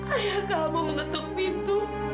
ayah kamu mengetuk pintu